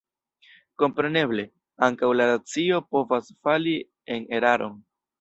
Kompreneble, ankaŭ la racio povas fali en eraron.